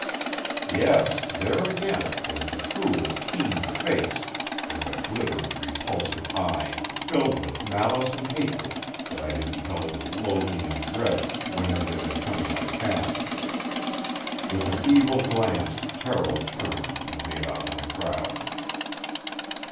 Yes, there again was the cruel, keen face, and the glittering, repulsive eye, filled with malice and hatred, that I had beheld with loathing and dread whenever it had come in my path. With an evil glance Terrill turned and made off in the crowd.